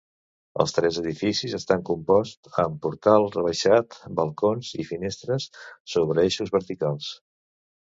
Els tres edificis estan composts amb portal rebaixat, balcons i finestres sobre eixos verticals.